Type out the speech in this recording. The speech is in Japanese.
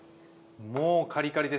もうカリカリですね！